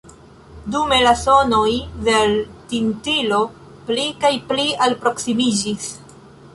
Dume la sonoj de l' tintilo pli kaj pli alproksimiĝis.